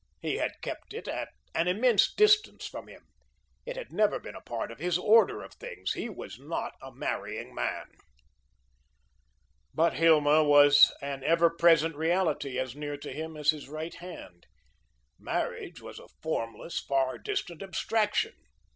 He had kept it at an immense distance from him. It had never been a part of his order of things. He was not a marrying man. But Hilma was an ever present reality, as near to him as his right hand. Marriage was a formless, far distant abstraction.